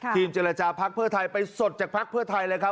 เจรจาพักเพื่อไทยไปสดจากภักดิ์เพื่อไทยเลยครับ